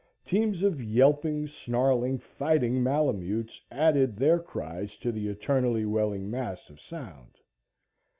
Teams of yelping, snarling, fighting malamutes added their cries to the eternally welling mass of sound.